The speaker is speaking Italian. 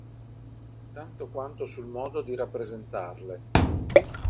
Tanto quanto sul modo di rappresentarle.